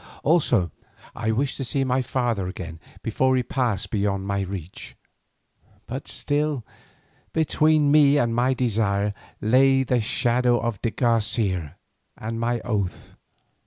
Also I wished to see my father again before he passed beyond my reach. But still between me and my desire lay the shadow of de Garcia and my oath.